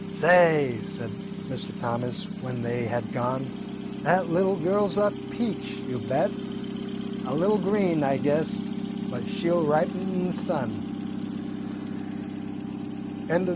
"Say," said Mr. Thomas when they had gone, "that little girl 's a peach, you bet; a little green, I guess, but she 'll ripen in the sun."